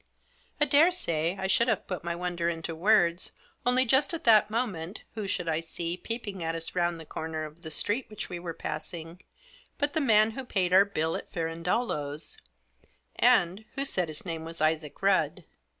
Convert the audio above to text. I daresay I should have put my wonder into words, only just at that moment, who should I see, peeping at us round the corner of the street which we were passing, but the man who paid our bill at Firandolo's, and who said his name was Isaac Rudd.